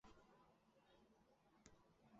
娄敬说的没错。